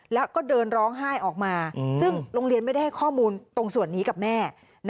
แล้วก็เดินร้องไห้ออกมาซึ่งโรงเรียนไม่ได้ให้ข้อมูลตรงส่วนนี้กับแม่